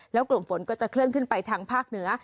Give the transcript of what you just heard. แล้วกลุ่มฝนก็จะเคลื่อนขึ้นไปทางภาคเหนือ